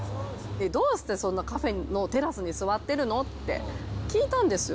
どうしてそんなカフェのテラスに座ってるのって、聞いたんですよ。